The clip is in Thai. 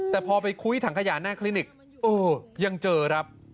แต่พอไปคุ้ยถังขยะหน้าคลินิกยังเจอครับ